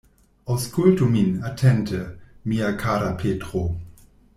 Aŭskultu min atente, mia kara Petro.